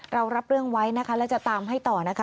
รับเรื่องไว้นะคะแล้วจะตามให้ต่อนะคะ